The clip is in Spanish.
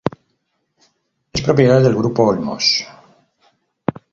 Es propiedad del Grupo Olmos.